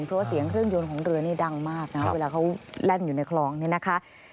เพราะว่าเสียงเครื่องยนต์ของเรือนี่ดังมากนะเวลาเขาแล่นอยู่ในคลองนี่นะคะ